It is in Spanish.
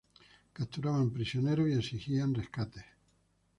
Capturaban prisioneros y exigían rescates.